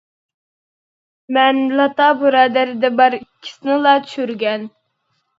مەن لاتا بۇرادەردە بار ئىككىسىنىلا چۈشۈرگەن.